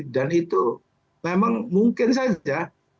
dan itu memang mungkin saja